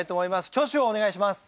挙手をお願いします。